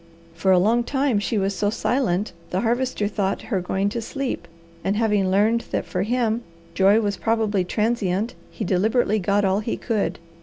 For a long time she was so silent the Harvester thought her going to sleep; and having learned that for him joy was probably transient, he deliberately got all he could.